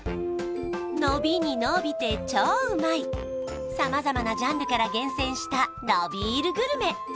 のびにのびて超うまい様々なジャンルから厳選したのびーるグルメ